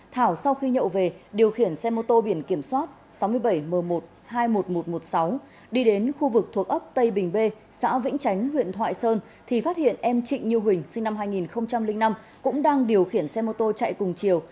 thảo sau khi nhậu về điều khiển xe mô tô biển kiểm soát sáu mươi bảy m một hai mươi một nghìn một trăm một mươi sáu đi đến khu vực thuộc ấp tây bình bê xã vĩnh chánh huyện thoại sơn thì phát hiện em trịnh như huỳnh sinh năm hai nghìn năm cũng đang điều khiển xe mô tô chạy cùng chiều